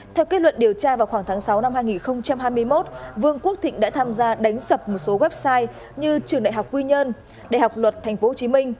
theo kết luận điều tra vào khoảng tháng sáu năm hai nghìn hai mươi một vương quốc thịnh đã tham gia đánh sập một số website như trường đại học quy nhơn đại học luật tp hcm